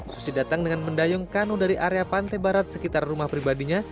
susi datang dengan mendayung kanu dari area pantai barat sekitar rumah pribadinya